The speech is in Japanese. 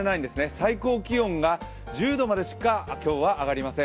最高気温が１０度までしか今日は上がりません。